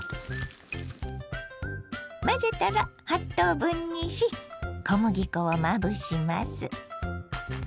混ぜたら８等分にし小麦粉をまぶします。